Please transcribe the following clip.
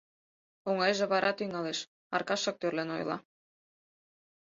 — Оҥайже вара тӱҥалеш, — Аркашак тӧрлен ойла.